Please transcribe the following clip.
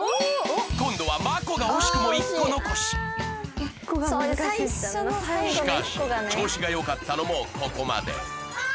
今度はＭＡＫＯが惜しくも１個残ししかし調子が良かったのもここまでバナナ！